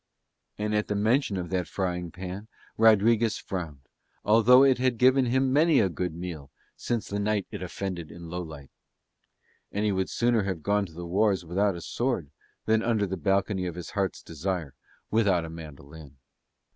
And at the mention of that frying pan Rodriguez frowned, although it had given him many a good meal since the night it offended in Lowlight. And he would sooner have gone to the wars without a sword than under the balcony of his heart's desire without a mandolin.